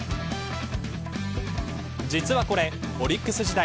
実はこれ、オリックス時代